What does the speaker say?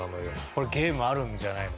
これゲームあるんじゃないの？